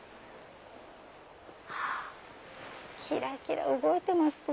あっキラキラ動いてます。